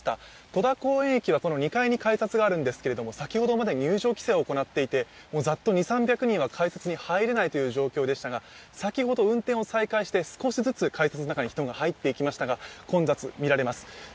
戸田公園駅は２階に改札があるんですけれども、先ほどまで入場規制を行っていてざっと２００３００人は改札に入れないという状況でしたが先ほど運転を再開して、少しずつ改札の中に人が入ってきましたが、混雑が見られます。